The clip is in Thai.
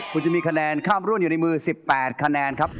คุณจะมีคะแนนข้ามรุ่นอยู่ในมือ๑๘คะแนนครับ